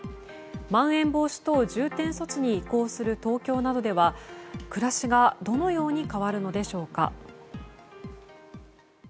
まん延防止等重点措置に移行する東京などでは暮らしがどのように変わるのでしょうか。